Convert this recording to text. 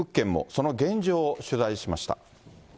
その現状を取材しました。